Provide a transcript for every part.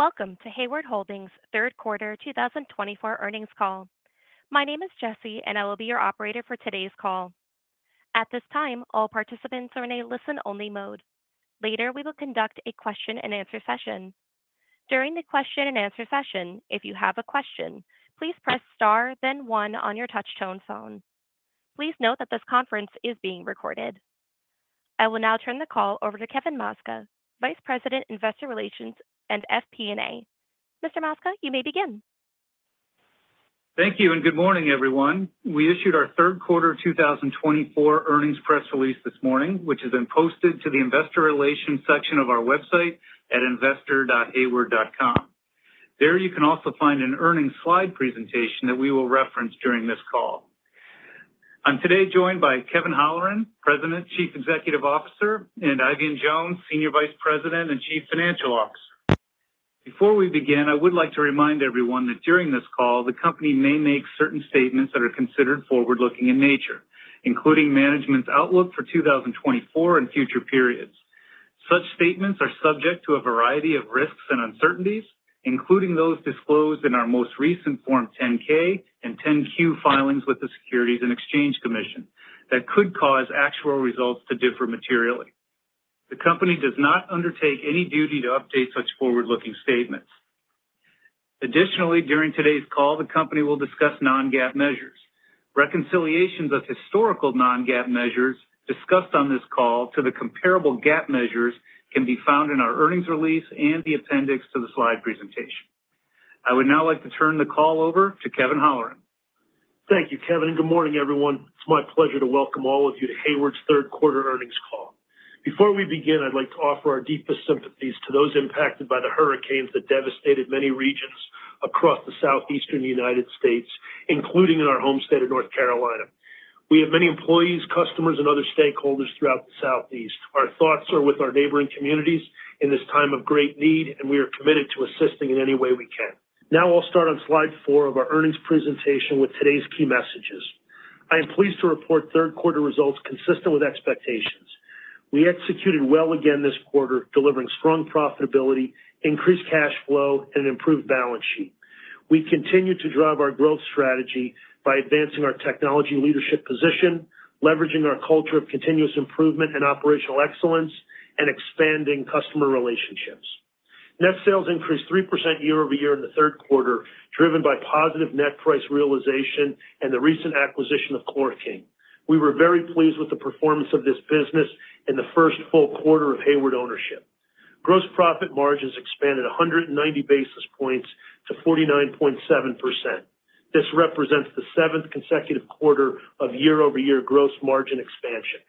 Welcome to Hayward Holdings' third quarter 2024 earnings call. My name is Jesse, and I will be your operator for today's call. At this time, all participants are in a listen-only mode. Later, we will conduct a question-and-answer session. During the question-and-answer session, if you have a question, please press star, then one on your touchtone phone. Please note that this conference is being recorded. I will now turn the call over to Kevin Maczka, Vice President, Investor Relations, and FP&A. Mr. Maczka, you may begin. Thank you, and good morning, everyone. We issued our third quarter 2024 earnings press release this morning, which has been posted to the Investor Relations section of our website at investor.hayward.com. There you can also find an earnings slide presentation that we will reference during this call. I'm today joined by Kevin Holleran, President and Chief Executive Officer, and Eifion Jones, Senior Vice President and Chief Financial Officer. Before we begin, I would like to remind everyone that during this call, the company may make certain statements that are considered forward-looking in nature, including management's outlook for 2024 and future periods. Such statements are subject to a variety of risks and uncertainties, including those disclosed in our most recent Form 10-K and 10-Q filings with the Securities and Exchange Commission that could cause actual results to differ materially. The company does not undertake any duty to update such forward-looking statements. Additionally, during today's call, the company will discuss non-GAAP measures. Reconciliations of historical non-GAAP measures discussed on this call to the comparable GAAP measures can be found in our earnings release and the appendix to the slide presentation. I would now like to turn the call over to Kevin Holleran. Thank you, Kevin, and good morning, everyone. It's my pleasure to welcome all of you to Hayward's third quarter earnings call. Before we begin, I'd like to offer our deepest sympathies to those impacted by the hurricanes that devastated many regions across the southeastern United States, including in our home state of North Carolina. We have many employees, customers, and other stakeholders throughout the southeast. Our thoughts are with our neighboring communities in this time of great need, and we are committed to assisting in any way we can. Now I'll start on slide four of our earnings presentation with today's key messages. I am pleased to report third quarter results consistent with expectations. We executed well again this quarter, delivering strong profitability, increased cash flow, and an improved balance sheet. We continue to drive our growth strategy by advancing our technology leadership position, leveraging our culture of continuous improvement and operational excellence, and expanding customer relationships. Net sales increased 3% year-over-year in the third quarter, driven by positive net price realization and the recent acquisition of ChlorKing. We were very pleased with the performance of this business in the first full quarter of Hayward ownership. Gross profit margins expanded 190 basis points to 49.7%. This represents the seventh consecutive quarter of year-over-year gross margin expansion.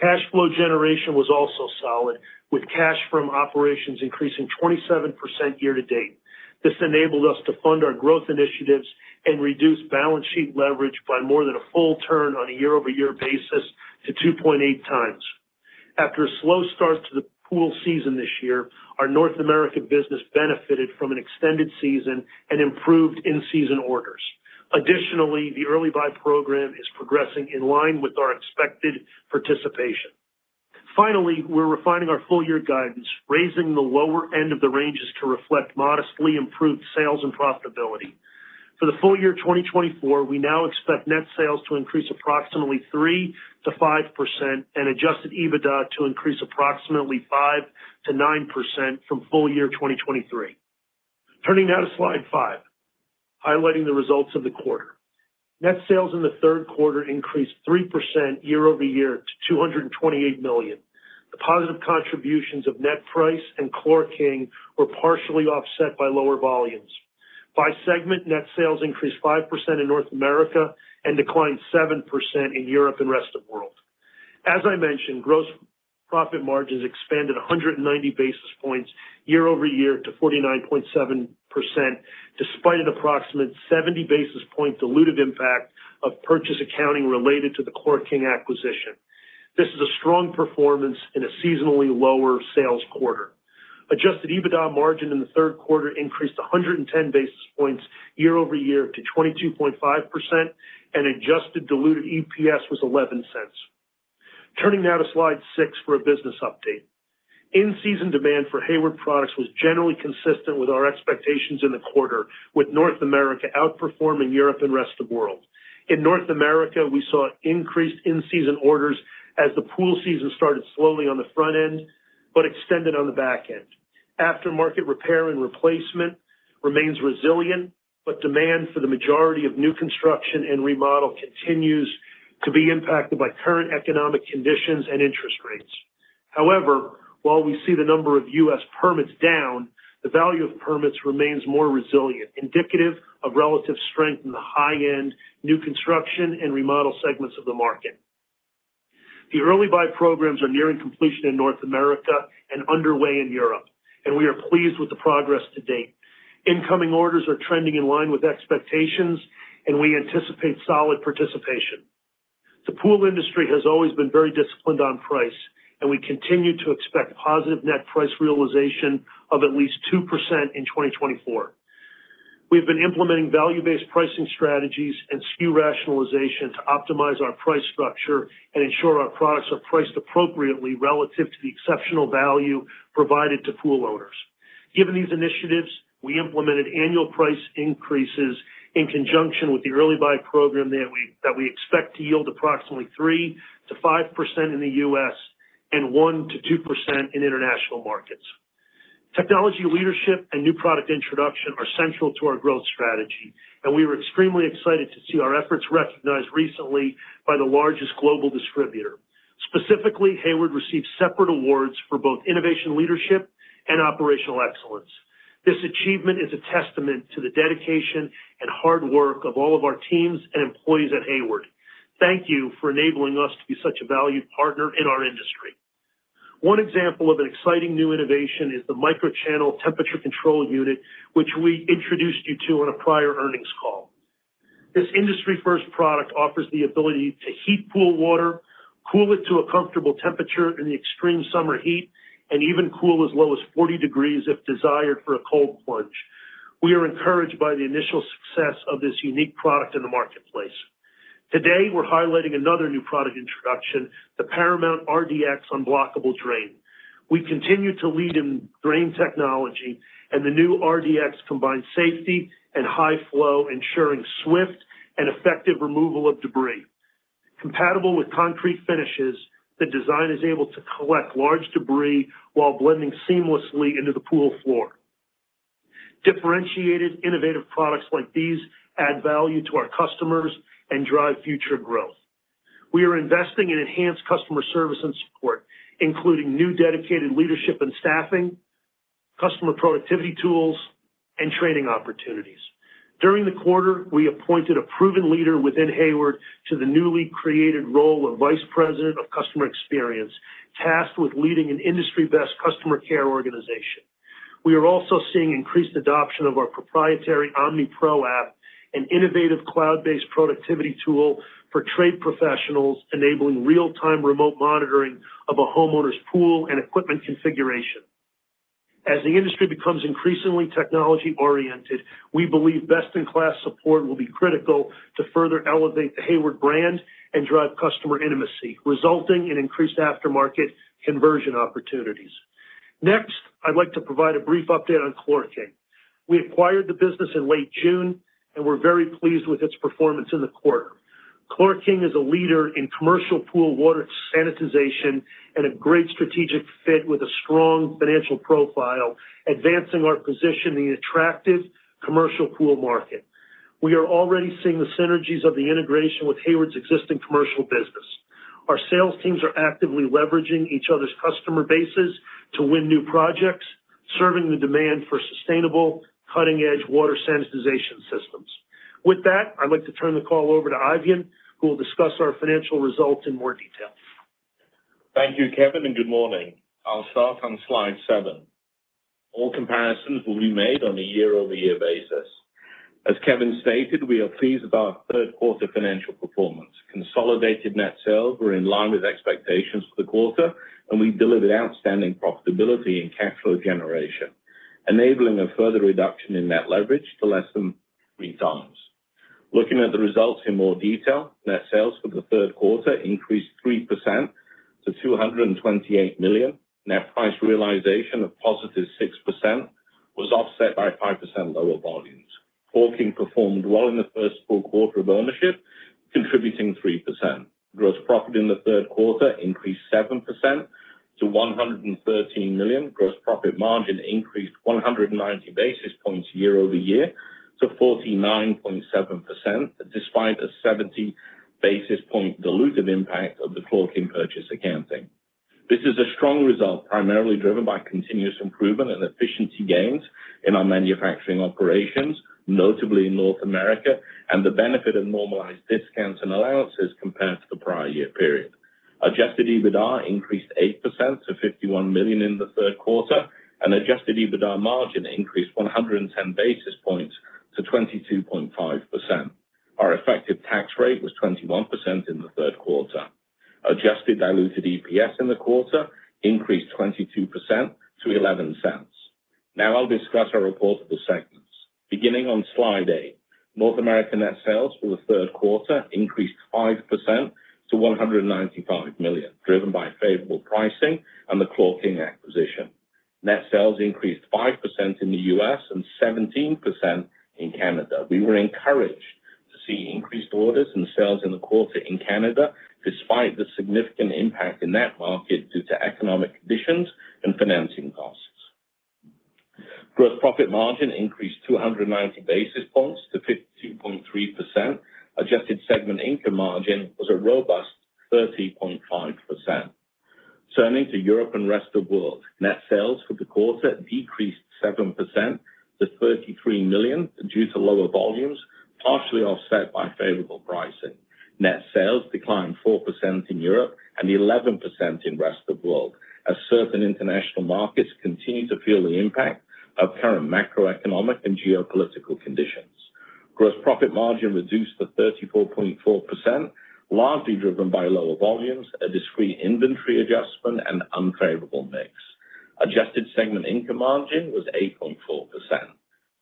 Cash flow generation was also solid, with cash from operations increasing 27% year to date. This enabled us to fund our growth initiatives and reduce balance sheet leverage by more than a full turn on a year-over-year basis to 2.8 times. After a slow start to the pool season this year, our North America business benefited from an extended season and improved in-season orders. Additionally, the Early Buy program is progressing in line with our expected participation. Finally, we're refining our full-year guidance, raising the lower end of the ranges to reflect modestly improved sales and profitability. For the full year 2024, we now expect net sales to increase approximately 3%-5% and adjusted EBITDA to increase approximately 5%-9% from full year 2023. Turning now to slide five, highlighting the results of the quarter. Net sales in the third quarter increased 3% year-over-year to $228 million. The positive contributions of net price and ChlorKing were partially offset by lower volumes. By segment, net sales increased 5% in North America and declined 7% in Europe and the rest of the world. As I mentioned, gross profit margins expanded 190 basis points year-over-year to 49.7%, despite an approximate 70 basis points diluted impact of purchase accounting related to the ChlorKing acquisition. This is a strong performance in a seasonally lower sales quarter. Adjusted EBITDA margin in the third quarter increased 110 basis points year-over-year to 22.5%, and adjusted diluted EPS was $0.11. Turning now to slide six for a business update. In-season demand for Hayward products was generally consistent with our expectations in the quarter, with North America outperforming Europe and the rest of the world. In North America, we saw increased in-season orders as the pool season started slowly on the front end but extended on the back end. Aftermarket repair and replacement remains resilient, but demand for the majority of new construction and remodel continues to be impacted by current economic conditions and interest rates. However, while we see the number of U.S. permits down, the value of permits remains more resilient, indicative of relative strength in the high-end new construction and remodel segments of the market. The Early Buy programs are nearing completion in North America and underway in Europe, and we are pleased with the progress to date. Incoming orders are trending in line with expectations, and we anticipate solid participation. The pool industry has always been very disciplined on price, and we continue to expect positive net price realization of at least 2% in 2024. We have been implementing value-based pricing strategies and SKU rationalization to optimize our price structure and ensure our products are priced appropriately relative to the exceptional value provided to pool owners. Given these initiatives, we implemented annual price increases in conjunction with the Early Buy program that we expect to yield approximately 3%-5% in the U.S. and 1%-2% in international markets. Technology leadership and new product introduction are central to our growth strategy, and we are extremely excited to see our efforts recognized recently by the largest global distributor. Specifically, Hayward received separate awards for both innovation leadership and operational excellence. This achievement is a testament to the dedication and hard work of all of our teams and employees at Hayward. Thank you for enabling us to be such a valued partner in our industry. One example of an exciting new innovation is the microchannel temperature control unit, which we introduced you to on a prior earnings call. This industry-first product offers the ability to heat pool water, cool it to a comfortable temperature in the extreme summer heat, and even cool as low as 40 degrees Fahrenheit if desired for a cold plunge. We are encouraged by the initial success of this unique product in the marketplace. Today, we're highlighting another new product introduction, the Paramount RDX unblockable drain. We continue to lead in drain technology, and the new RDX combines safety and high flow, ensuring swift and effective removal of debris. Compatible with concrete finishes, the design is able to collect large debris while blending seamlessly into the pool floor. Differentiated innovative products like these add value to our customers and drive future growth. We are investing in enhanced customer service and support, including new dedicated leadership and staffing, customer productivity tools, and training opportunities. During the quarter, we appointed a proven leader within Hayward to the newly created role of Vice President of Customer Experience, tasked with leading an industry-best customer care organization. We are also seeing increased adoption of our proprietary OmniPro app, an innovative cloud-based productivity tool for trade professionals, enabling real-time remote monitoring of a homeowner's pool and equipment configuration. As the industry becomes increasingly technology-oriented, we believe best-in-class support will be critical to further elevate the Hayward brand and drive customer intimacy, resulting in increased aftermarket conversion opportunities. Next, I'd like to provide a brief update on ChlorKing. We acquired the business in late June, and we're very pleased with its performance in the quarter. ChlorKing is a leader in commercial pool water sanitization and a great strategic fit with a strong financial profile, advancing our position in the attractive commercial pool market. We are already seeing the synergies of the integration with Hayward's existing commercial business. Our sales teams are actively leveraging each other's customer bases to win new projects, serving the demand for sustainable, cutting-edge water sanitization systems. With that, I'd like to turn the call over to Eifion, who will discuss our financial results in more detail. Thank you, Kevin, and good morning. I'll start on slide seven. All comparisons will be made on a year-over-year basis. As Kevin stated, we are pleased about our third quarter financial performance. Consolidated net sales were in line with expectations for the quarter, and we delivered outstanding profitability in cash flow generation, enabling a further reduction in net leverage to less than three times. Looking at the results in more detail, net sales for the third quarter increased 3% to $228 million. Net price realization of positive 6% was offset by 5% lower volumes. ChlorKing performed well in the first full quarter of ownership, contributing 3%. Gross profit in the third quarter increased 7% to $113 million. Gross profit margin increased 190 basis points year-over-year to 49.7%, despite a 70 basis point diluted impact of the ChlorKing purchase accounting. This is a strong result, primarily driven by continuous improvement and efficiency gains in our manufacturing operations, notably in North America, and the benefit of normalized discounts and allowances compared to the prior year period. Adjusted EBITDA increased 8% to $51 million in the third quarter, and adjusted EBITDA margin increased 110 basis points to 22.5%. Our effective tax rate was 21% in the third quarter. Adjusted diluted EPS in the quarter increased 22% to $0.11. Now I'll discuss our report of the segments. Beginning on slide eight, North America net sales for the third quarter increased 5% to $195 million, driven by favorable pricing and the ChlorKing acquisition. Net sales increased 5% in the U.S. and 17% in Canada. We were encouraged to see increased orders and sales in the quarter in Canada, despite the significant impact in that market due to economic conditions and financing costs. Gross profit margin increased 290 basis points to 52.3%. Adjusted segment income margin was a robust 30.5%. Turning to Europe and the rest of the world, net sales for the quarter decreased 7% to $33 million due to lower volumes, partially offset by favorable pricing. Net sales declined 4% in Europe and 11% in the rest of the world, as certain international markets continue to feel the impact of current macroeconomic and geopolitical conditions. Gross profit margin reduced to 34.4%, largely driven by lower volumes, a discrete inventory adjustment, and unfavorable mix. Adjusted segment income margin was 8.4%.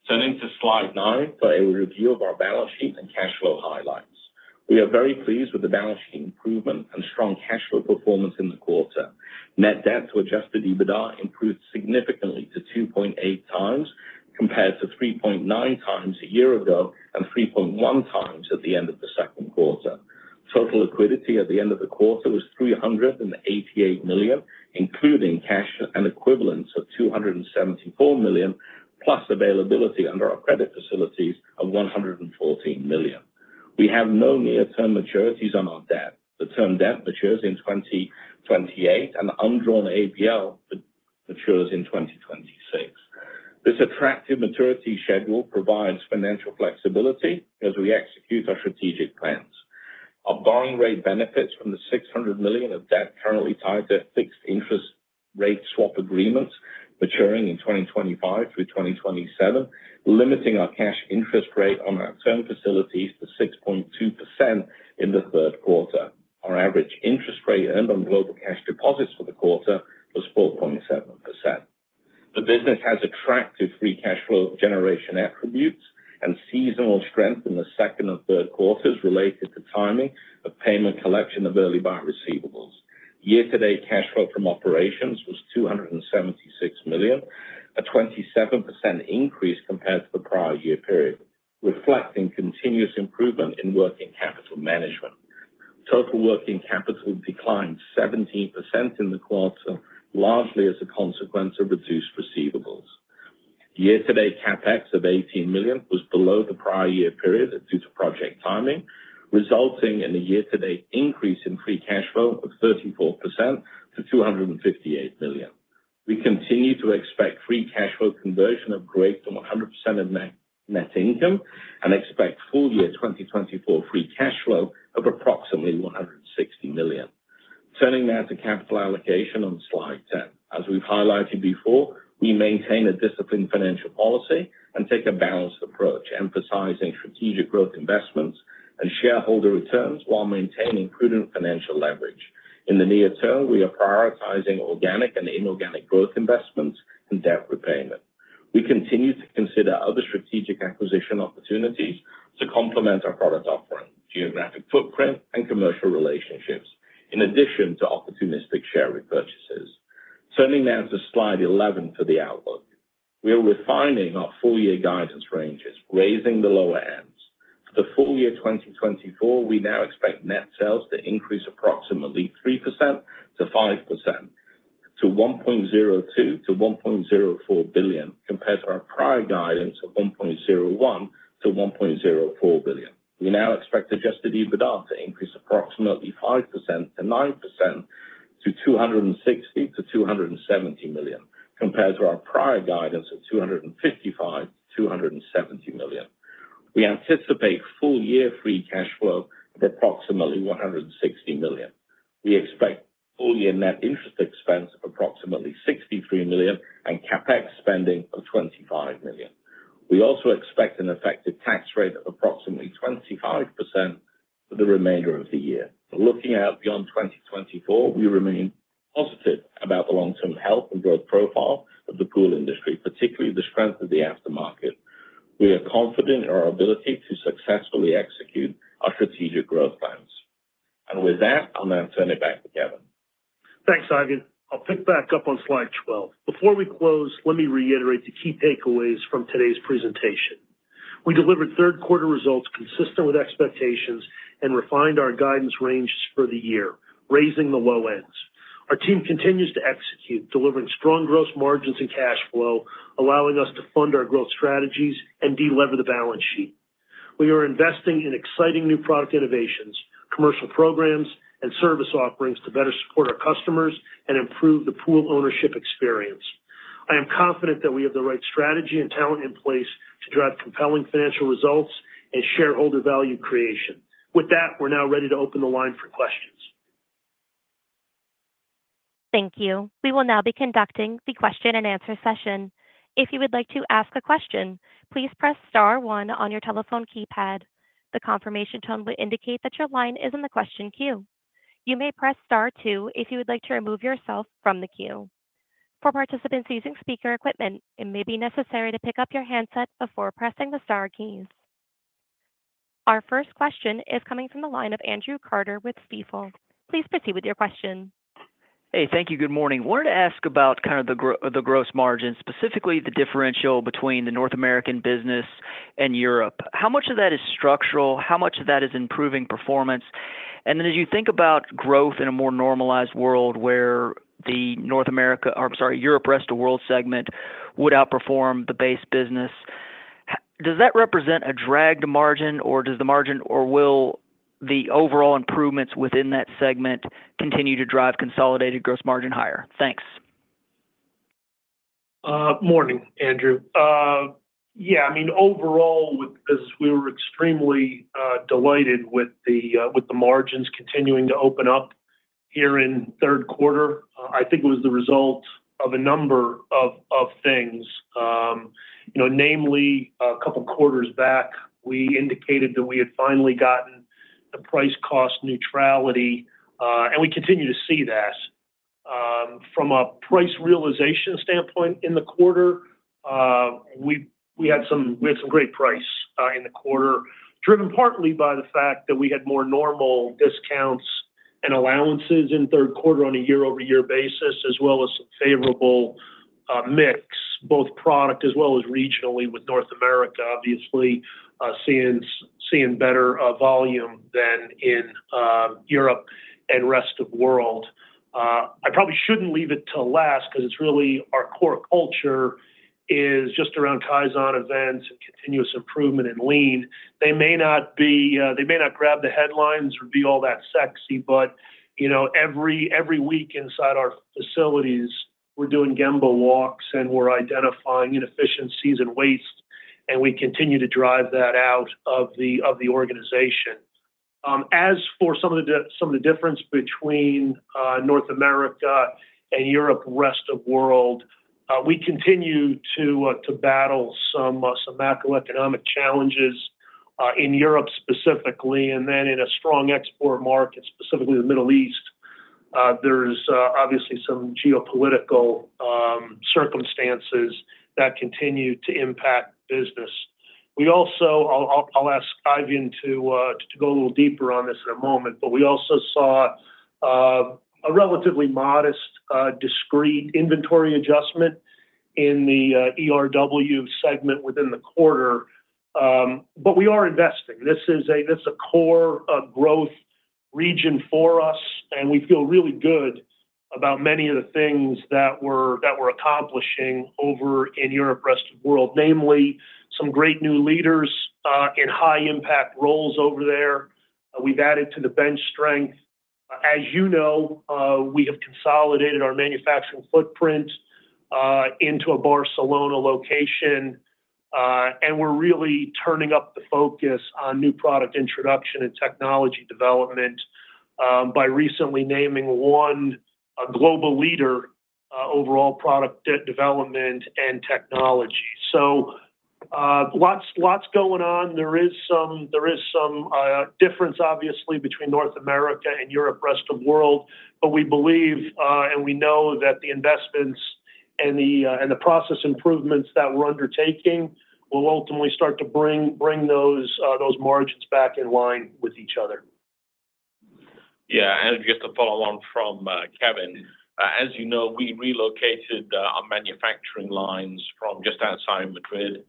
Turning to slide nine for a review of our balance sheet and cash flow highlights. We are very pleased with the balance sheet improvement and strong cash flow performance in the quarter. Net debt to adjusted EBITDA improved significantly to 2.8 times compared to 3.9 times a year ago and 3.1 times at the end of the second quarter. Total liquidity at the end of the quarter was $388 million, including cash and equivalents of $274 million, plus availability under our credit facilities of $114 million. We have no near-term maturities on our debt. The term debt matures in 2028, and the undrawn ABL matures in 2026. This attractive maturity schedule provides financial flexibility as we execute our strategic plans. Our borrowing rate benefits from the $600 million of debt currently tied to fixed interest rate swap agreements maturing in 2025 through 2027, limiting our cash interest rate on our term facilities to 6.2% in the third quarter. Our average interest rate earned on global cash deposits for the quarter was 4.7%. The business has attractive free cash flow generation attributes and seasonal strength in the second and third quarters related to timing of payment collection of Early Buy receivables. Year-to-date cash flow from operations was $276 million, a 27% increase compared to the prior year period, reflecting continuous improvement in working capital management. Total working capital declined 17% in the quarter, largely as a consequence of reduced receivables. Year-to-date CapEx of $18 million was below the prior year period due to project timing, resulting in a year-to-date increase in free cash flow of 34% to $258 million. We continue to expect free cash flow conversion of greater than 100% of net income and expect full year 2024 free cash flow of approximately $160 million. Turning now to capital allocation on slide 10. As we've highlighted before, we maintain a disciplined financial policy and take a balanced approach, emphasizing strategic growth investments and shareholder returns while maintaining prudent financial leverage. In the near term, we are prioritizing organic and inorganic growth investments and debt repayment. We continue to consider other strategic acquisition opportunities to complement our product offering, geographic footprint, and commercial relationships, in addition to opportunistic share repurchases. Turning now to slide 11 for the outlook. We are refining our full year guidance ranges, raising the lower ends. For the full year 2024, we now expect net sales to increase approximately 3% to 5% to $1.02-$1.04 billion compared to our prior guidance of $1.01-$1.04 billion. We now expect adjusted EBITDA to increase approximately 5% to 9% to $260-$270 million compared to our prior guidance of $255-$270 million. We anticipate full year free cash flow of approximately $160 million. We expect full year net interest expense of approximately $63 million and CapEx spending of $25 million. We also expect an effective tax rate of approximately 25% for the remainder of the year. Looking out beyond 2024, we remain positive about the long-term health and growth profile of the pool industry, particularly the strength of the aftermarket. We are confident in our ability to successfully execute our strategic growth plans, and with that, I'll now turn it back to Kevin. Thanks, Eifion. I'll pick back up on slide 12. Before we close, let me reiterate the key takeaways from today's presentation. We delivered third quarter results consistent with expectations and refined our guidance ranges for the year, raising the low ends. Our team continues to execute, delivering strong gross margins and cash flow, allowing us to fund our growth strategies and delever the balance sheet. We are investing in exciting new product innovations, commercial programs, and service offerings to better support our customers and improve the pool ownership experience. I am confident that we have the right strategy and talent in place to drive compelling financial results and shareholder value creation. With that, we're now ready to open the line for questions. Thank you. We will now be conducting the question and answer session. If you would like to ask a question, please press star one on your telephone keypad. The confirmation tone will indicate that your line is in the question queue. You may press star two if you would like to remove yourself from the queue. For participants using speaker equipment, it may be necessary to pick up your handset before pressing the star keys. Our first question is coming from the line of Andrew Carter with Stifel. Please proceed with your question. Hey, thank you. Good morning. Wanted to ask about kind of the gross margin, specifically the differential between the North American business and Europe. How much of that is structural? How much of that is improving performance? And then as you think about growth in a more normalized world where the North America, or I'm sorry, Europe rest of world segment would outperform the base business, does that represent a dragged margin, or does the margin, or will the overall improvements within that segment continue to drive consolidated gross margin higher? Thanks. Morning, Andrew. Yeah, I mean, overall, we were extremely delighted with the margins continuing to open up here in third quarter. I think it was the result of a number of things. Namely, a couple of quarters back, we indicated that we had finally gotten the price-cost neutrality, and we continue to see that. From a price realization standpoint in the quarter, we had some great price in the quarter, driven partly by the fact that we had more normal discounts and allowances in third quarter on a year-over-year basis, as well as some favorable mix, both product as well as regionally with North America, obviously seeing better volume than in Europe and rest of the world. I probably shouldn't leave it to last because it's really our core culture is just around Kaizen events and continuous improvement and lean. They may not grab the headlines or be all that sexy, but every week inside our facilities, we're doing gemba walks, and we're identifying inefficiencies and waste, and we continue to drive that out of the organization. As for some of the difference between North America and Europe rest of world, we continue to battle some macroeconomic challenges in Europe specifically, and then in a strong export market, specifically the Middle East. There's obviously some geopolitical circumstances that continue to impact business. I'll ask Eifion to go a little deeper on this in a moment, but we also saw a relatively modest, discrete inventory adjustment in the ERW segment within the quarter. But we are investing. This is a core growth region for us, and we feel really good about many of the things that we're accomplishing over in Europe rest of the world, namely some great new leaders in high-impact roles over there. We've added to the bench strength. As you know, we have consolidated our manufacturing footprint into a Barcelona location, and we're really turning up the focus on new product introduction and technology development by recently naming one global leader overall product development and technology. So lots going on. There is some difference, obviously, between North America and Europe rest of the world, but we believe and we know that the investments and the process improvements that we're undertaking will ultimately start to bring those margins back in line with each other. Yeah, and just to follow on from Kevin, as you know, we relocated our manufacturing lines from just outside Madrid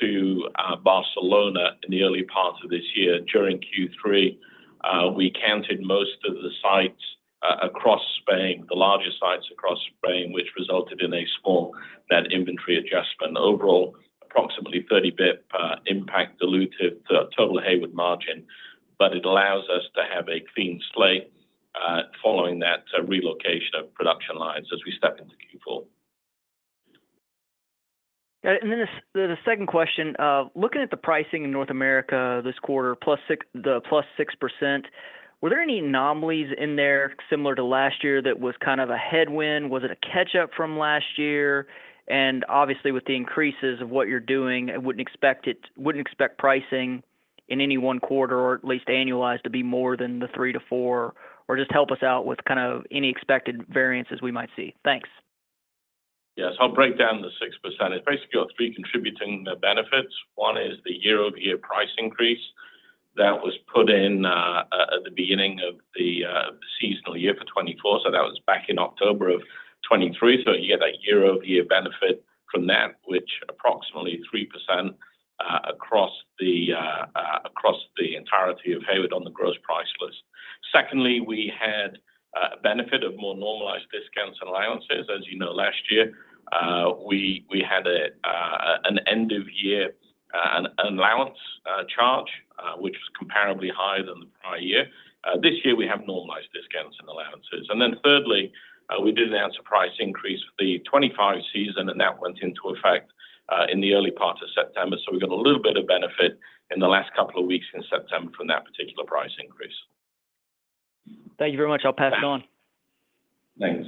to Barcelona in the early part of this year during Q3. We consolidated most of the sites across Spain, the largest sites across Spain, which resulted in a small net inventory adjustment. Overall, approximately 30 basis point impact diluted total Hayward margin, but it allows us to have a clean slate following that relocation of production lines as we step into Q4. And then the second question, looking at the pricing in North America this quarter, plus 6%. Were there any anomalies in there similar to last year that was kind of a headwind? Was it a catch-up from last year? And obviously, with the increases of what you're doing, I wouldn't expect pricing in any one quarter or at least annualized to be more than the 3%-4%, or just help us out with kind of any expected variances we might see. Thanks. Yes, I'll break down the 6%. It's basically got three contributing benefits. One is the year-over-year price increase that was put in at the beginning of the seasonal year for 2024. So that was back in October of 2023. So you get that year-over-year benefit from that, which approximately 3% across the entirety of Hayward on the gross price list. Secondly, we had a benefit of more normalized discounts and allowances. As you know, last year, we had an end-of-year allowance charge, which was comparably higher than the prior year. This year, we have normalized discounts and allowances. And then thirdly, we did announce a price increase for the 2025 season, and that went into effect in the early part of September. So we got a little bit of benefit in the last couple of weeks in September from that particular price increase. Thank you very much. I'll pass it on. Thanks.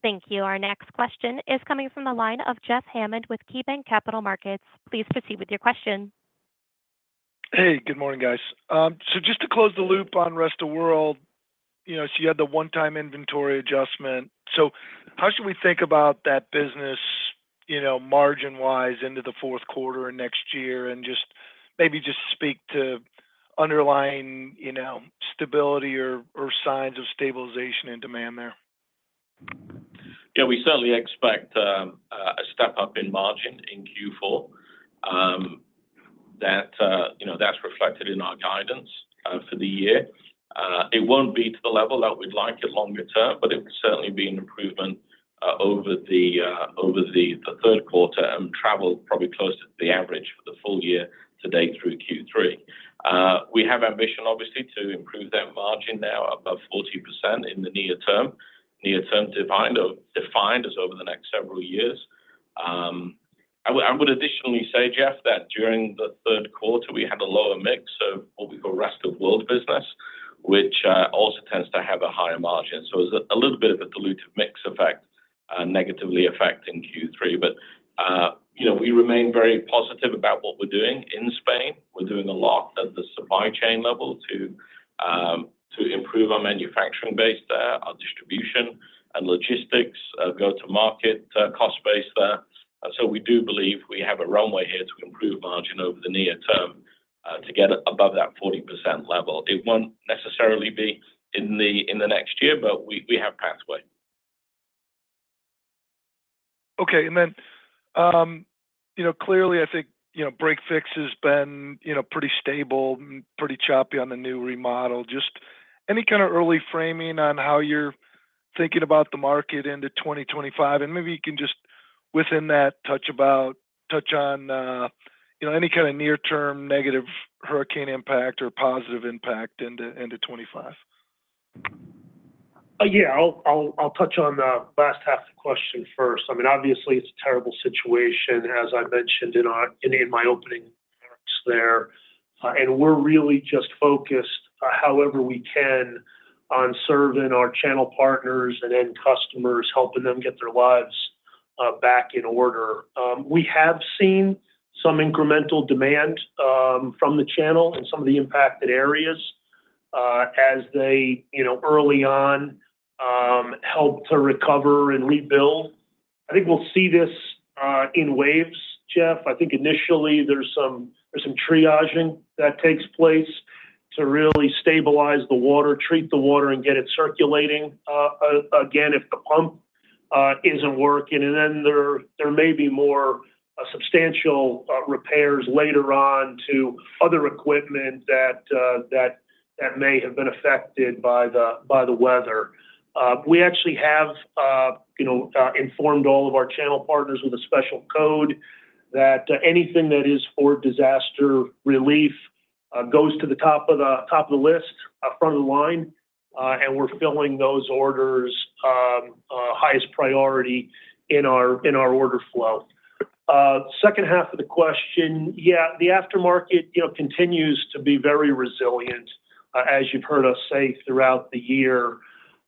Thank you. Our next question is coming from the line of Jeff Hammond with KeyBanc Capital Markets. Please proceed with your question. Hey, good morning, guys. So just to close the loop on rest of world, so you had the one-time inventory adjustment. So how should we think about that business margin-wise into the fourth quarter and next year and just maybe speak to underlying stability or signs of stabilization in demand there? Yeah, we certainly expect a step-up in margin in Q4. That's reflected in our guidance for the year. It won't be to the level that we'd like it longer term, but it will certainly be an improvement over the third quarter and travel probably close to the average for the full year to date through Q3. We have ambition, obviously, to improve that margin now above 40% in the near term, near-term defined as over the next several years. I would additionally say, Jeff, that during the third quarter, we had a lower mix of what we call rest of world business, which also tends to have a higher margin. So it's a little bit of a diluted mix effect negatively affecting Q3. But we remain very positive about what we're doing in Spain. We're doing a lot at the supply chain level to improve our manufacturing base there, our distribution and logistics, go-to-market cost base there. So we do believe we have a runway here to improve margin over the near term to get above that 40% level. It won't necessarily be in the next year, but we have a pathway. Okay. And then clearly, I think break fix has been pretty stable, pretty choppy on the new remodel. Just any kind of early framing on how you're thinking about the market into 2025? And maybe you can just within that touch on any kind of near-term negative hurricane impact or positive impact into 2025. Yeah, I'll touch on the last half of the question first. I mean, obviously, it's a terrible situation, as I mentioned in my opening remarks there. And we're really just focused, however we can, on serving our channel partners and end customers, helping them get their lives back in order. We have seen some incremental demand from the channel in some of the impacted areas as they early on help to recover and rebuild. I think we'll see this in waves, Jeff. I think initially, there's some triaging that takes place to really stabilize the water, treat the water, and get it circulating again if the pump isn't working. And then there may be more substantial repairs later on to other equipment that may have been affected by the weather. We actually have informed all of our channel partners with a special code that anything that is for disaster relief goes to the top of the list, front of the line, and we're filling those orders highest priority in our order flow. Second half of the question, yeah, the aftermarket continues to be very resilient, as you've heard us say throughout the year.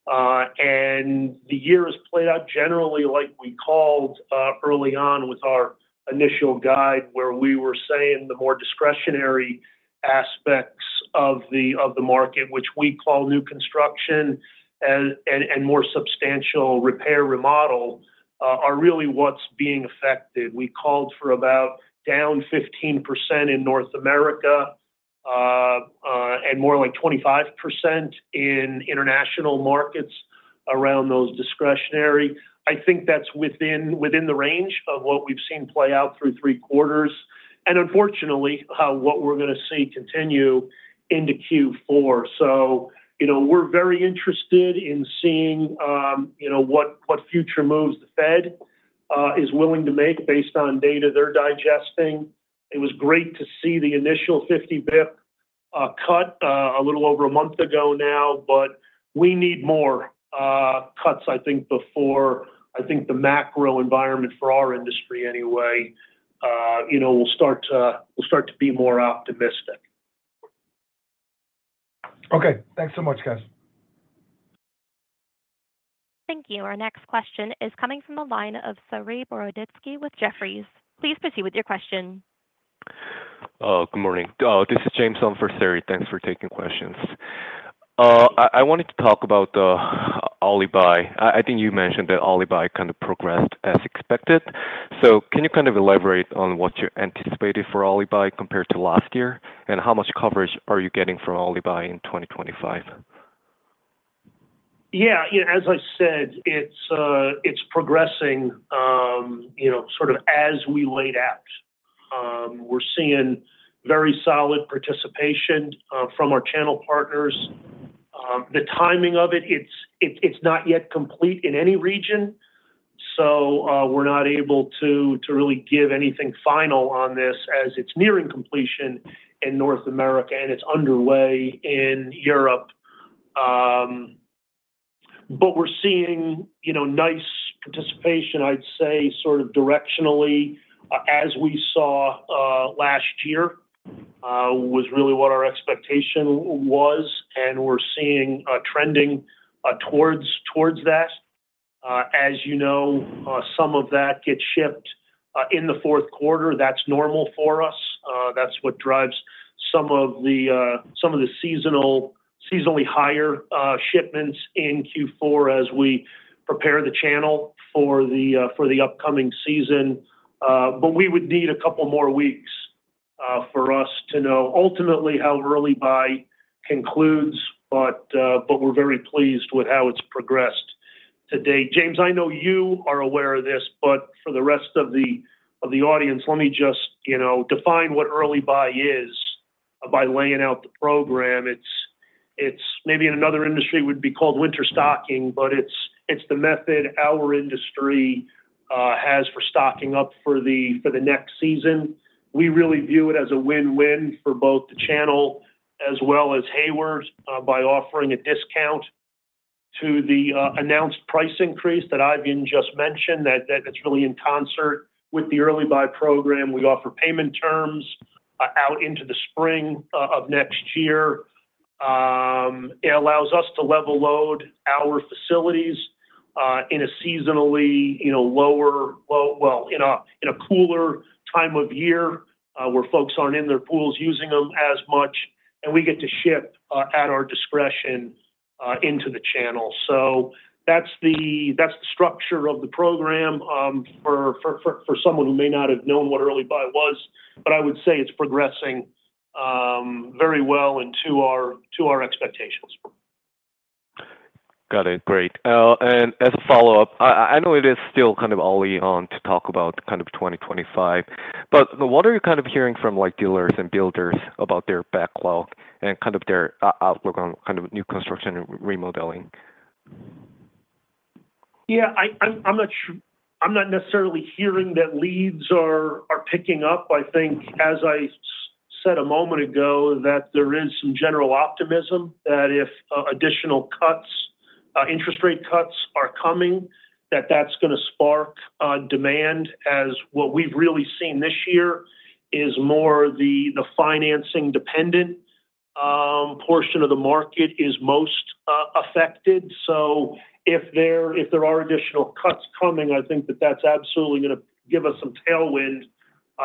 And the year has played out generally like we called early on with our initial guide, where we were saying the more discretionary aspects of the market, which we call new construction and more substantial repair remodel, are really what's being affected. We called for about down 15% in North America and more like 25% in international markets around those discretionary. I think that's within the range of what we've seen play out through three quarters, and unfortunately, what we're going to see continue into Q4. So we're very interested in seeing what future moves the Fed is willing to make based on data they're digesting. It was great to see the initial 50 basis point cut a little over a month ago now, but we need more cuts, I think, before I think the macro environment for our industry anyway will start to be more optimistic. Okay. Thanks so much, guys. Thank you. Our next question is coming from the line of Sergey Boroditsky with Jefferies. Please proceed with your question. Good morning. This is James on for Sergey. Thanks for taking questions. I wanted to talk about the ABL. I think you mentioned that ABL kind of progressed as expected. So can you kind of elaborate on what you anticipated for ABL compared to last year, and how much coverage are you getting from ABL in 2025? Yeah. As I said, it's progressing sort of as we laid out. We're seeing very solid participation from our channel partners. The timing of it, it's not yet complete in any region, so we're not able to really give anything final on this as it's nearing completion in North America, and it's underway in Europe. But we're seeing nice participation, I'd say, sort of directionally as we saw last year, was really what our expectation was, and we're seeing trending towards that. As you know, some of that gets shipped in the fourth quarter. That's normal for us. That's what drives some of the seasonally higher shipments in Q4 as we prepare the channel for the upcoming season. But we would need a couple more weeks for us to know ultimately how Early Buy concludes, but we're very pleased with how it's progressed to date. James, I know you are aware of this, but for the rest of the audience, let me just define what Early Buy is by laying out the program. It's maybe in another industry would be called winter stocking, but it's the method our industry has for stocking up for the next season. We really view it as a win-win for both the channel as well as Hayward by offering a discount to the announced price increase that Eifion just mentioned that's really in concert with the Early Buy program. We offer payment terms out into the spring of next year. It allows us to level load our facilities in a seasonally lower, well, in a cooler time of year where folks aren't in their pools using them as much, and we get to ship at our discretion into the channel. So that's the structure of the program for someone who may not have known what Early Buy was, but I would say it's progressing very well into our expectations. Got it. Great. And as a follow-up, I know it is still kind of early on to talk about kind of 2025, but what are you kind of hearing from dealers and builders about their backlog and kind of their outlook on kind of new construction and remodeling? Yeah, I'm not necessarily hearing that leads are picking up. I think, as I said a moment ago, that there is some general optimism that if additional interest rate cuts are coming, that that's going to spark demand as what we've really seen this year is more the financing-dependent portion of the market is most affected. So if there are additional cuts coming, I think that that's absolutely going to give us some tailwind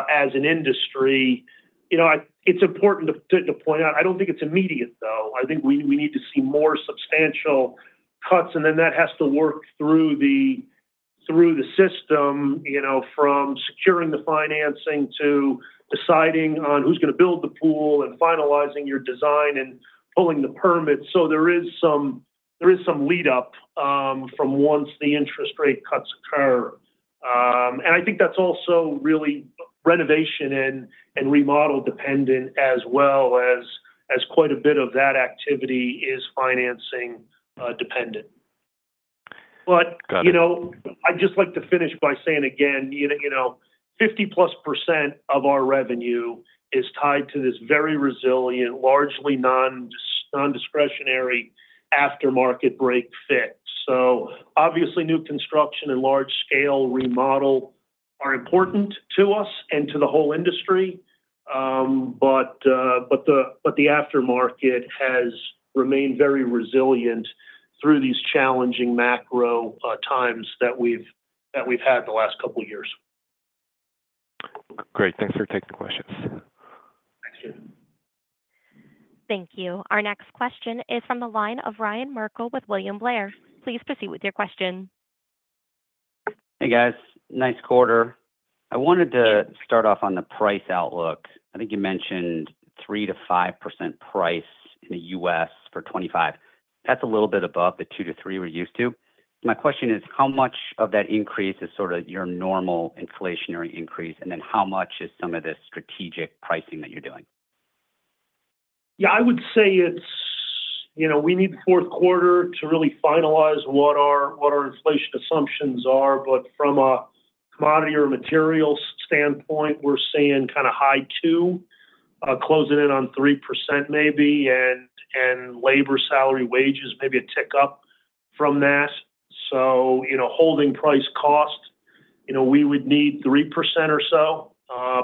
as an industry. It's important to point out, I don't think it's immediate, though. I think we need to see more substantial cuts, and then that has to work through the system from securing the financing to deciding on who's going to build the pool and finalizing your design and pulling the permit. So there is some lead-up from once the interest rate cuts occur. And I think that's also really renovation and remodel dependent as well as quite a bit of that activity is financing dependent. But I'd just like to finish by saying again, 50-plus% of our revenue is tied to this very resilient, largely non-discretionary aftermarket break fix. So obviously, new construction and large-scale remodel are important to us and to the whole industry, but the aftermarket has remained very resilient through these challenging macro times that we've had the last couple of years. Great. Thanks for taking the questions. Thank you. Our next question is from the line of Ryan Merkel with William Blair. Please proceed with your question. Hey, guys. Nice quarter. I wanted to start off on the price outlook. I think you mentioned 3%-5% price in the U.S. for 2025. That's a little bit above the 2%-3% we're used to. My question is, how much of that increase is sort of your normal inflationary increase, and then how much is some of this strategic pricing that you're doing? Yeah, I would say we need the fourth quarter to really finalize what our inflation assumptions are. But from a commodity or materials standpoint, we're seeing kind of high two, closing in on 3% maybe, and labor salary wages maybe a tick up from that. So holding price cost, we would need 3% or so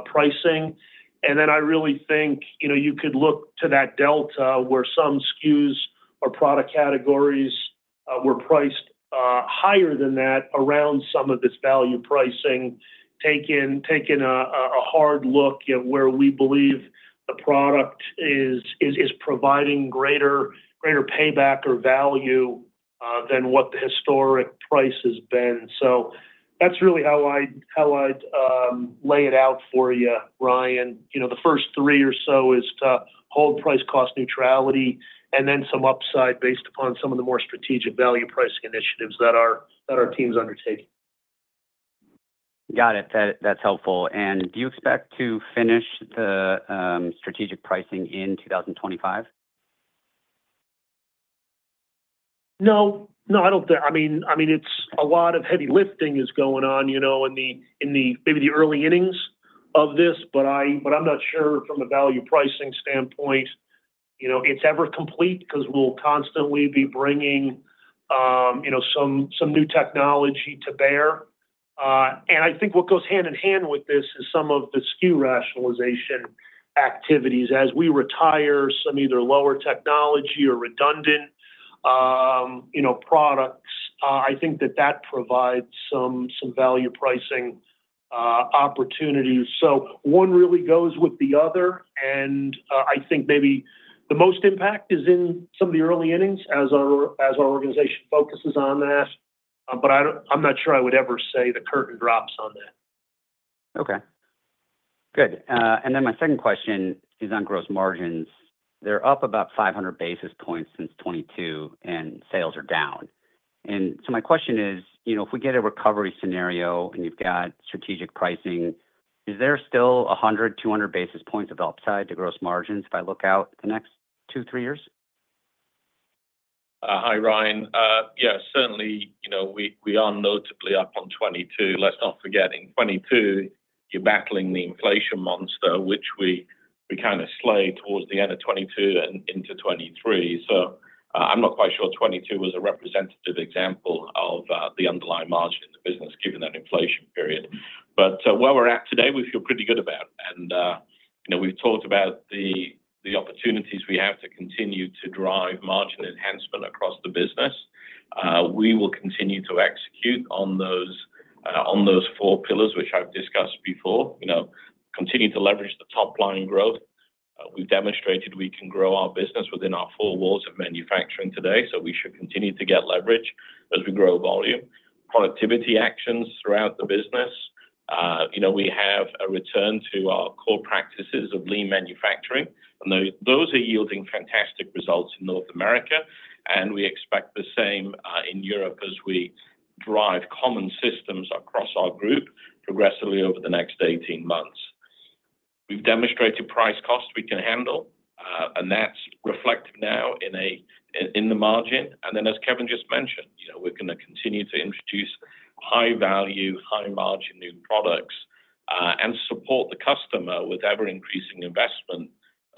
pricing. And then I really think you could look to that delta where some SKUs or product categories were priced higher than that around some of this value pricing, taking a hard look at where we believe the product is providing greater payback or value than what the historic price has been. So that's really how I'd lay it out for you, Ryan. The first three or so is to hold price cost neutrality and then some upside based upon some of the more strategic value pricing initiatives that our teams undertake. Got it. That's helpful. And do you expect to finish the strategic pricing in 2025? No. No, I don't think. I mean, it's a lot of heavy lifting is going on in maybe the early innings of this, but I'm not sure from a value pricing standpoint it's ever complete because we'll constantly be bringing some new technology to bear. And I think what goes hand in hand with this is some of the SKU rationalization activities. As we retire some either lower technology or redundant products, I think that that provides some value pricing opportunities. So one really goes with the other, and I think maybe the most impact is in some of the early innings as our organization focuses on that, but I'm not sure I would ever say the curtain drops on that. Okay. Good. And then my second question is on gross margins. They're up about 500 basis points since 2022, and sales are down. And so my question is, if we get a recovery scenario and you've got strategic pricing, is there still 100, 200 basis points of upside to gross margins if I look out the next two, three years? Hi, Ryan. Yeah, certainly, we are notably up on 2022. Let's not forget, in 2022, you're battling the inflation monster, which we kind of slayed towards the end of 2022 and into 2023. So I'm not quite sure 2022 was a representative example of the underlying margin in the business given that inflation period. But where we're at today, we feel pretty good about it. And we've talked about the opportunities we have to continue to drive margin enhancement across the business. We will continue to execute on those four pillars, which I've discussed before. Continue to leverage the top-line growth. We've demonstrated we can grow our business within our four walls of manufacturing today, so we should continue to get leverage as we grow volume. Productivity actions throughout the business. We have a return to our core practices of lean manufacturing, and those are yielding fantastic results in North America, and we expect the same in Europe as we drive common systems across our group progressively over the next 18 months. We've demonstrated price cost we can handle, and that's reflected now in the margin, and then, as Kevin just mentioned, we're going to continue to introduce high-value, high-margin new products and support the customer with ever-increasing investment,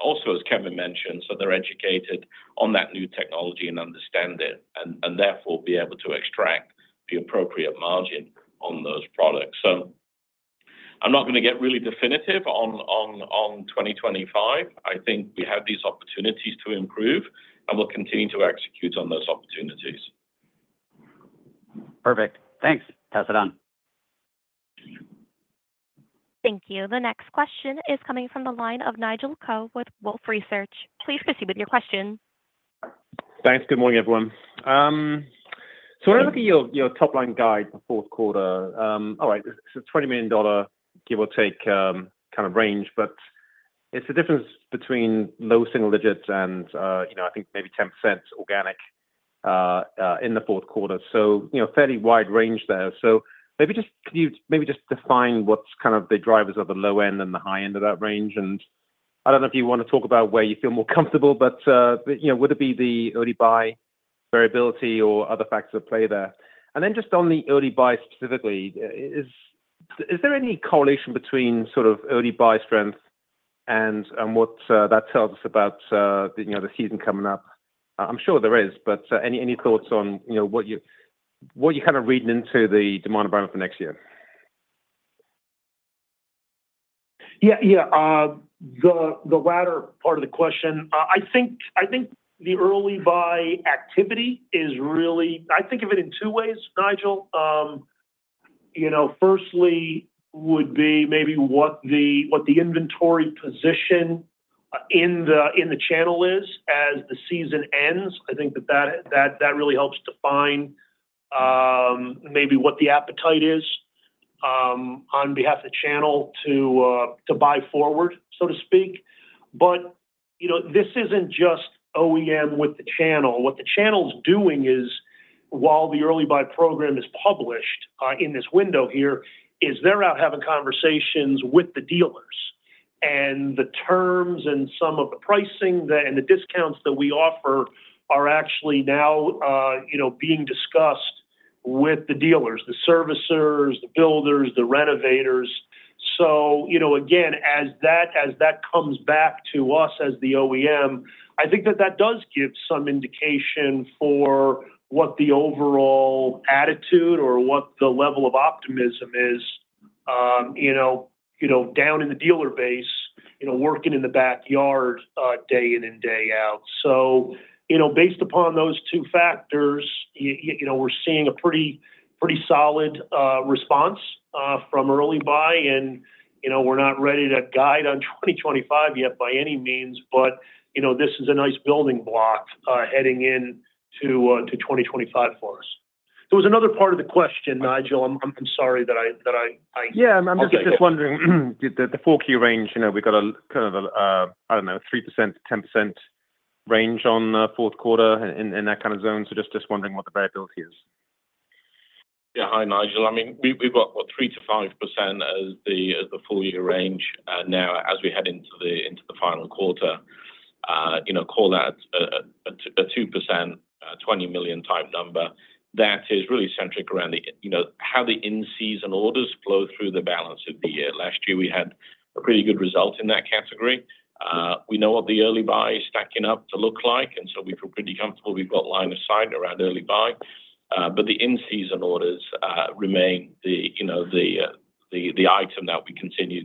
also as Kevin mentioned, so they're educated on that new technology and understand it, and therefore be able to extract the appropriate margin on those products. I'm not going to get really definitive on 2025. I think we have these opportunities to improve, and we'll continue to execute on those opportunities. Perfect. Thanks. Pass it on. Thank you. The next question is coming from the line of Nigel Coe with Wolfe Research. Please proceed with your question. Thanks. Good morning, everyone. So when I look at your top-line guide for fourth quarter, all right, it's a $20 million, give or take, kind of range, but it's the difference between low single digits and I think maybe 10% organic in the fourth quarter. So fairly wide range there. So maybe just define what's kind of the drivers of the low end and the high end of that range. And I don't know if you want to talk about where you feel more comfortable, but would it be the early buy variability or other factors at play there? And then just on the early buy specifically, is there any correlation between sort of early buy strength and what that tells us about the season coming up? I'm sure there is, but any thoughts on what you're kind of reading into the demand environment for next year? Yeah. Yeah. The latter part of the question, I think the early buy activity is really I think of it in two ways, Nigel. Firstly would be maybe what the inventory position in the channel is as the season ends. I think that that really helps define maybe what the appetite is on behalf of the channel to buy forward, so to speak. But this isn't just OEM with the channel. What the channel's doing is, while the Early Buy program is published in this window here, is they're out having conversations with the dealers, and the terms and some of the pricing and the discounts that we offer are actually now being discussed with the dealers, the servicers, the builders, the renovators. So again, as that comes back to us as the OEM, I think that that does give some indication for what the overall attitude or what the level of optimism is down in the dealer base working in the backyard day in and day out. So based upon those two factors, we're seeing a pretty solid response from Early Buy, and we're not ready to guide on 2025 yet by any means, but this is a nice building block heading into 2025 for us. There was another part of the question, Nigel. I'm sorry that I, yeah, I'm just wondering. The 4Q range, we've got a kind of, I don't know, 3% to 10% range on fourth quarter in that kind of zone. So just wondering what the variability is. Yeah. Hi, Nigel. I mean, we've got what, 3%-5% as the full-year range now as we head into the final quarter. Call that a 2%, $20 million-type number. That is really centric around how the in-season orders flow through the balance of the year. Last year, we had a pretty good result in that category. We know what the early buy is stacking up to look like, and so we feel pretty comfortable. We've got line of sight around early buy, but the in-season orders remain the item that we continue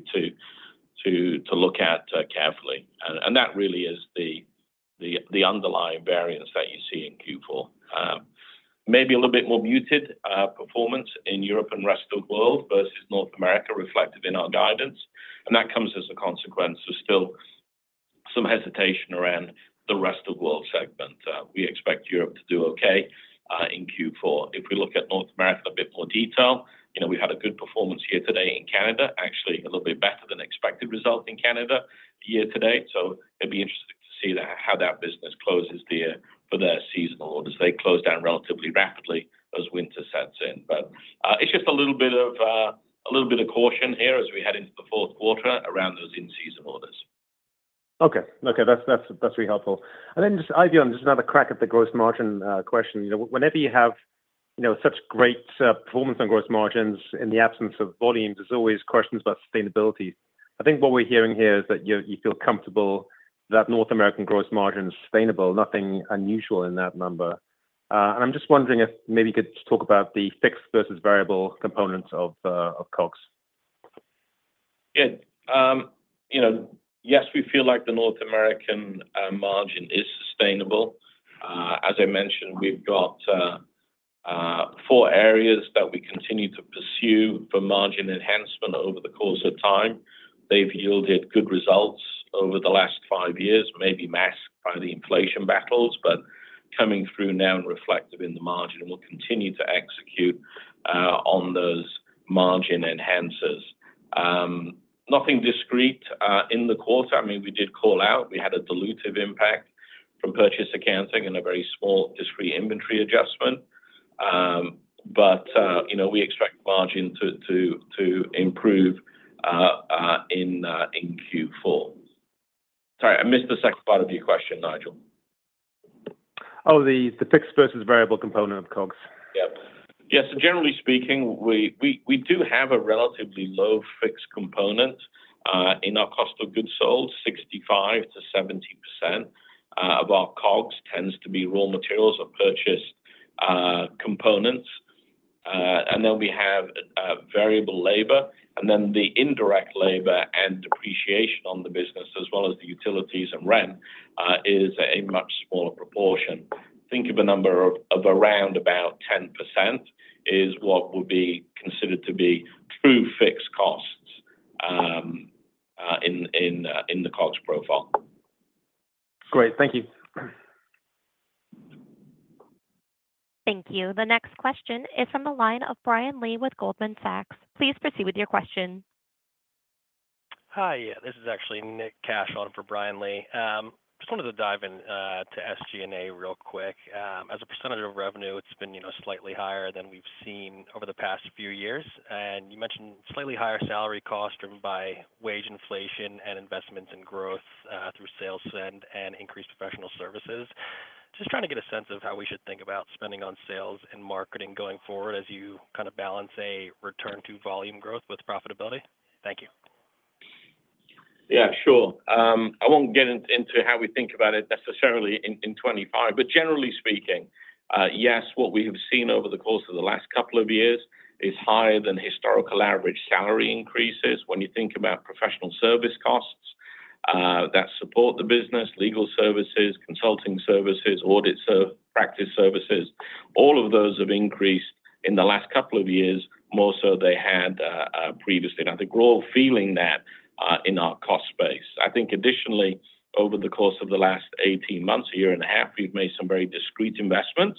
to look at carefully. And that really is the underlying variance that you see in Q4. Maybe a little bit more muted performance in Europe and the rest of the world versus North America reflected in our guidance, and that comes as a consequence of still some hesitation around the rest of the world segment. We expect Europe to do okay in Q4. If we look at North America in a bit more detail, we had a good performance year to date in Canada, actually a little bit better than expected result in Canada year to date. So it'd be interesting to see how that business closes the year for their seasonal orders. They close down relatively rapidly as winter sets in, but it's just a little bit of caution here as we head into the fourth quarter around those in-season orders. Okay. Okay. That's really helpful. And then just one more, just another crack at the gross margin question. Whenever you have such great performance on gross margins in the absence of volumes, there's always questions about sustainability. I think what we're hearing here is that you feel comfortable that North American gross margin is sustainable, nothing unusual in that number. And I'm just wondering if maybe you could talk about the fixed versus variable components of COGS. Good. Yes, we feel like the North American margin is sustainable. As I mentioned, we've got four areas that we continue to pursue for margin enhancement over the course of time. They've yielded good results over the last five years, maybe masked by the inflation battles, but coming through now and reflected in the margin, and we'll continue to execute on those margin enhancers. Nothing discrete in the quarter. I mean, we did call out we had a dilutive impact from purchase accounting and a very small discrete inventory adjustment, but we expect margin to improve in Q4. Sorry, I missed the second part of your question, Nigel. Oh, the fixed versus variable component of COGS. Yeah. Yeah. So generally speaking, we do have a relatively low fixed component in our cost of goods sold. 65%-70% of our COGS tends to be raw materials or purchased components. And then we have variable labor, and then the indirect labor and depreciation on the business, as well as the utilities and rent, is a much smaller proportion. Think of a number of around about 10% is what would be considered to be true fixed costs in the COGS profile. Great. Thank you. Thank you. The next question is from the line of Brian Lee with Goldman Sachs. Please proceed with your question. Hi. This is actually Nick Kash on for Brian Lee. Just wanted to dive into SG&A real quick. As a percentage of revenue, it's been slightly higher than we've seen over the past few years, and you mentioned slightly higher salary cost driven by wage inflation and investments in growth through sales spend and increased professional services. Just trying to get a sense of how we should think about spending on sales and marketing going forward as you kind of balance a return to volume growth with profitability. Thank you. Yeah. Sure. I won't get into how we think about it necessarily in 2025, but generally speaking, yes, what we have seen over the course of the last couple of years is higher than historical average salary increases. When you think about professional service costs that support the business, legal services, consulting services, audit practice services, all of those have increased in the last couple of years more so than they had previously. And I think we're all feeling that in our cost space. I think additionally, over the course of the last 18 months, a year and a half, we've made some very discreet investments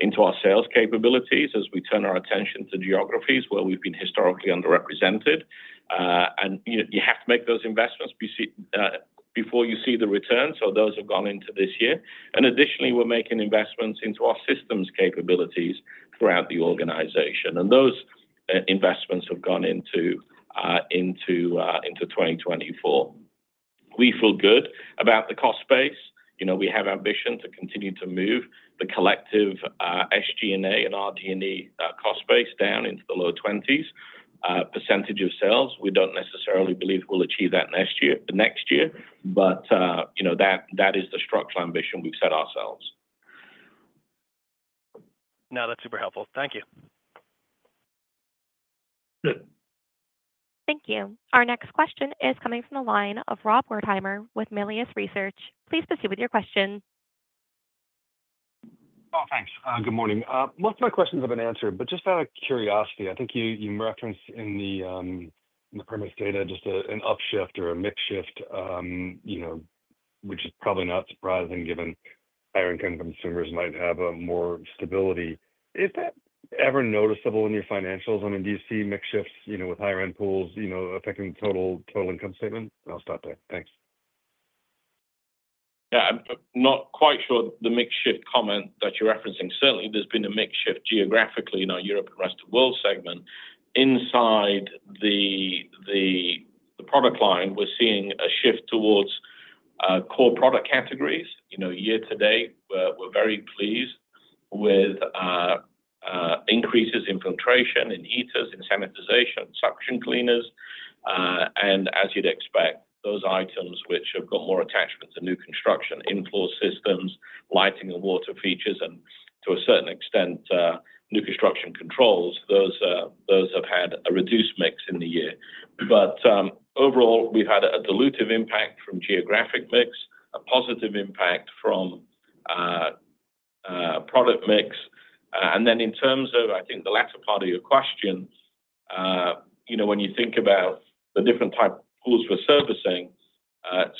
into our sales capabilities as we turn our attention to geographies where we've been historically underrepresented. And you have to make those investments before you see the returns, so those have gone into this year. And additionally, we're making investments into our systems capabilities throughout the organization, and those investments have gone into 2024. We feel good about the cost space. We have ambition to continue to move the collective SG&A and R&D cost space down into the low 20s percentage of sales. We don't necessarily believe we'll achieve that next year, but that is the structural ambition we've set ourselves. No, that's super helpful. Thank you. Thank you. Our next question is coming from the line of Rob Wertheimer with Melius Research. Please proceed with your question. Oh, thanks. Good morning. Most of my questions have been answered, but just out of curiosity, I think you referenced in the permit data just an upshift or a mix shift, which is probably not surprising given higher-income consumers might have more stability. Is that ever noticeable in your financials? I mean, do you see mix shifts with higher-end pools affecting the total income statement? I'll stop there. Thanks. Yeah. I'm not quite sure the mix shift comment that you're referencing. Certainly, there's been a mix shift geographically in our Europe and rest of the world segment. Inside the product line, we're seeing a shift towards core product categories. Year to date, we're very pleased with increases in filtration and heaters and sanitization and suction cleaners. As you'd expect, those items which have got more attachments and new construction, inflow systems, lighting and water features, and to a certain extent, new construction controls, those have had a reduced mix in the year. Overall, we've had a dilutive impact from geographic mix, a positive impact from product mix. Then in terms of, I think, the latter part of your question, when you think about the different type of pools for servicing,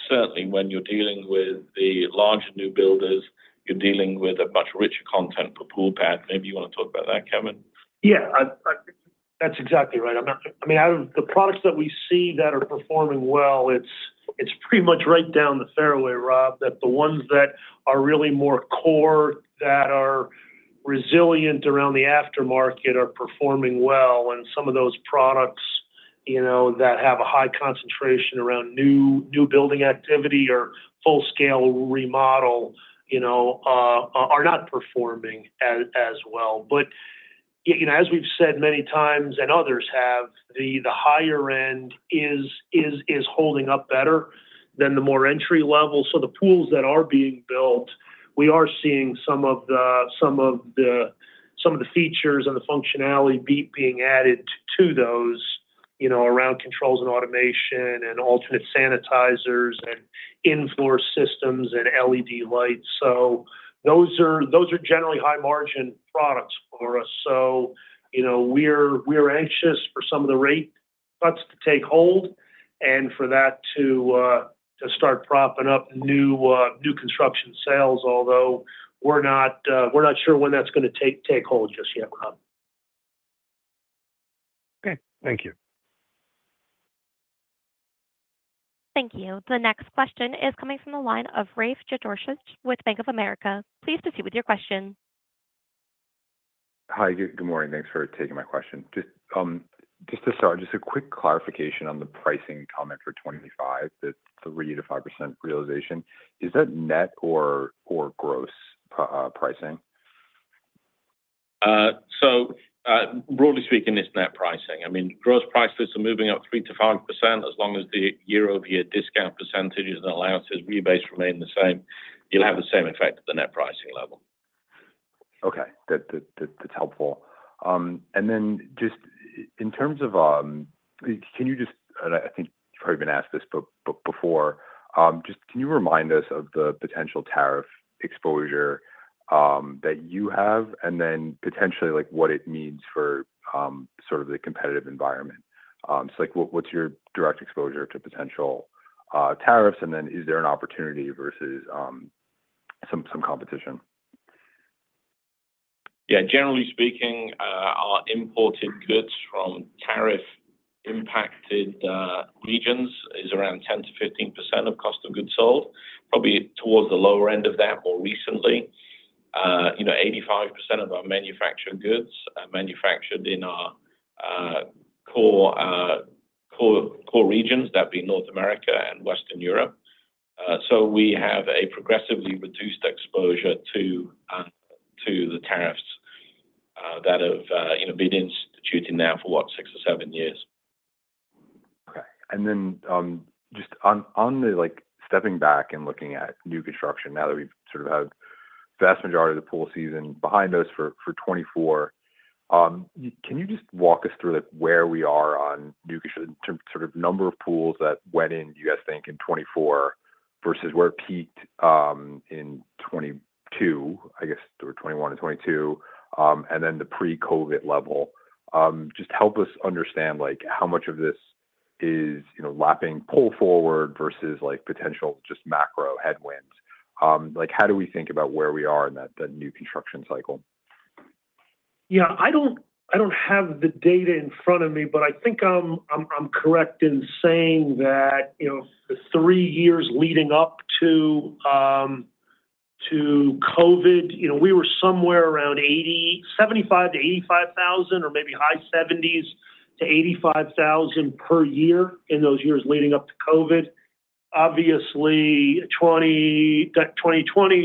certainly when you're dealing with the larger new builders, you're dealing with a much richer content for pool pads. Maybe you want to talk about that, Kevin? Yeah. That's exactly right. I mean, out of the products that we see that are performing well, it's pretty much right down the fairway, Rob, that the ones that are really more core, that are resilient around the aftermarket, are performing well. And some of those products that have a high concentration around new building activity or full-scale remodel are not performing as well. But as we've said many times and others have, the higher end is holding up better than the more entry-level. So the pools that are being built, we are seeing some of the features and the functionality being added to those around controls and automation and alternate sanitizers and inflow systems and LED lights. So those are generally high-margin products for us. So we're anxious for some of the rate cuts to take hold and for that to start propping up new construction sales, although we're not sure when that's going to take hold just yet, Rob. Okay. Thank you. Thank you. The next question is coming from the line of Rafe Jadrosich with Bank of America. Please proceed with your question. Hi. Good morning. Thanks for taking my question. Just to start, just a quick clarification on the pricing comment for 2025, the 3%-5% realization. Is that net or gross pricing? So broadly speaking, it's net pricing. I mean, gross prices are moving up 3%-5% as long as the year-over-year discount percentages and allowances, rebates remain the same. You'll have the same effect at the net pricing level. Okay. That's helpful. And then just in terms of can you just—and I think you've probably been asked this, but before—just can you remind us of the potential tariff exposure that you have and then potentially what it means for sort of the competitive environment? So what's your direct exposure to potential tariffs, and then is there an opportunity versus some competition? Yeah. Generally speaking, our imported goods from tariff-impacted regions is around 10%-15% of cost of goods sold, probably towards the lower end of that more recently. 85% of our manufactured goods are manufactured in our core regions, that being North America and Western Europe. So we have a progressively reduced exposure to the tariffs that have been instituted now for, what, six or seven years. Okay. And then just on the stepping back and looking at new construction, now that we've sort of had the vast majority of the pool season behind us for 2024, can you just walk us through where we are on new construction, sort of number of pools that went in, you guys think, in 2024 versus where it peaked in 2022, I guess, or 2021 and 2022, and then the pre-COVID level? Just help us understand how much of this is lapping pull forward versus potential just macro headwinds. How do we think about where we are in that new construction cycle? Yeah. I don't have the data in front of me, but I think I'm correct in saying that the three years leading up to COVID, we were somewhere around 75-85 thousand or maybe high 70s-85 thousand per year in those years leading up to COVID. Obviously, 2020,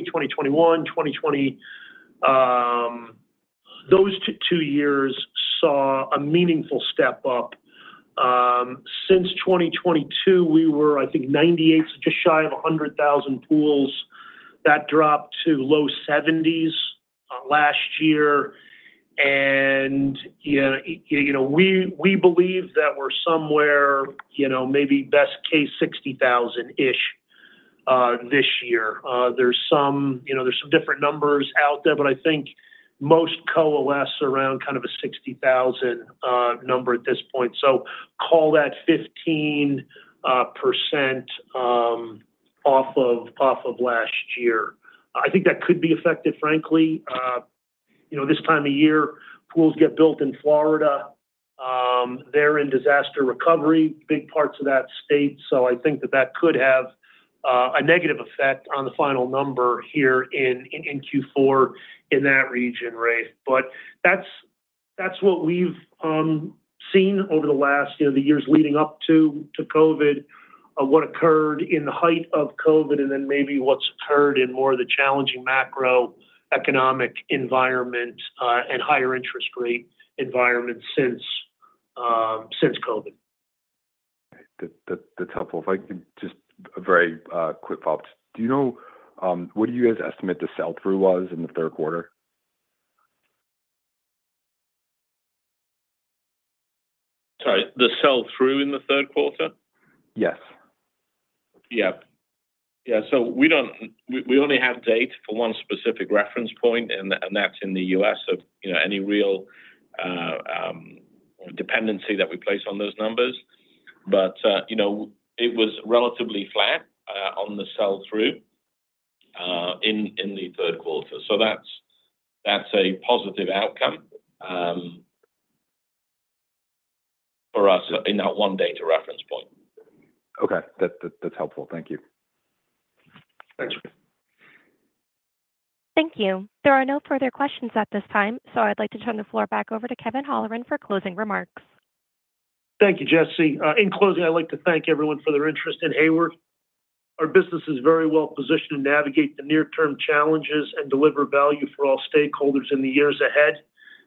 2021, 2020, those two years saw a meaningful step up. Since 2022, we were, I think, 98, just shy of 100,000 pools. That dropped to low 70s last year. And we believe that we're somewhere, maybe best case, 60,000-ish this year. There's some different numbers out there, but I think most coalesce around kind of a 60,000 number at this point. So call that 15% off of last year. I think that could be effective, frankly. This time of year, pools get built in Florida. They're in disaster recovery, big parts of that state. So I think that that could have a negative effect on the final number here in Q4 in that region, Rafe, but that's what we've seen over the years leading up to COVID, what occurred in the height of COVID, and then maybe what's occurred in more of the challenging macroeconomic environment and higher interest rate environment since COVID. Okay. That's helpful. If I could just a very quick follow-up. Do you know what you guys estimate the sell-through was in the third quarter? Sorry. The sell-through in the third quarter? Yes. Yeah. Yeah. So we only have data for one specific reference point, and that's in the U.S. on any real dependency that we place on those numbers. But it was relatively flat on the sell-through in the third quarter. So that's a positive outcome for us in that one data reference point. Okay. That's helpful. Thank you. Thanks. Thank you. There are no further questions at this time, so I'd like to turn the floor back over to Kevin Holleran for closing remarks. Thank you, Jesse. In closing, I'd like to thank everyone for their interest in Hayward. Our business is very well positioned to navigate the near-term challenges and deliver value for all stakeholders in the years ahead.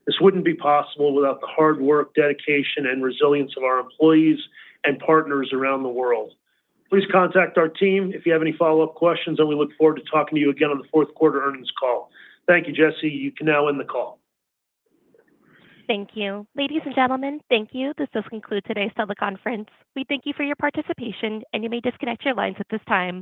This wouldn't be possible without the hard work, dedication, and resilience of our employees and partners around the world. Please contact our team if you have any follow-up questions, and we look forward to talking to you again on the fourth quarter earnings call. Thank you, Jesse. You can now end the call. Thank you. Ladies and gentlemen, thank you. This has concluded today's teleconference. We thank you for your participation, and you may disconnect your lines at this time.